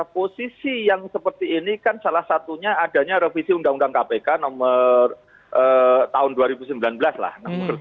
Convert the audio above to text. posisi yang seperti ini kan salah satunya adanya revisi undang undang kpk nomor tahun dua ribu sembilan belas lah